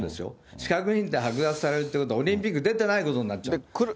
資格認定剥奪されるっていうことは、オリンピック出てないことになっちゃう。